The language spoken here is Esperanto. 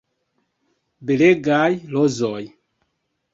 Belegaj rozoj.